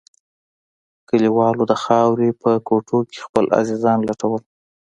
کليوالو د خاورو په کوټو کښې خپل عزيزان لټول.